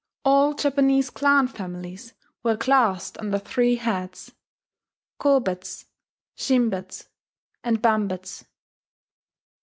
All Japanese clan families were classed under three heads, Kobetsu, Shinbetsu, and Bambetsu.